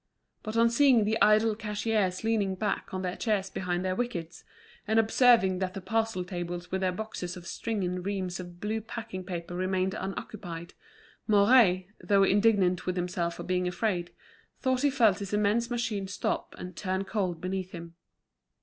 But on seeing the idle cashiers leaning back on their chairs behind their wickets, and observing that the parcel tables with their boxes of string and reams of blue packing paper remained unoccupied, Mouret, though indignant with himself for being afraid, thought he felt his immense machine stop and turn cold beneath him.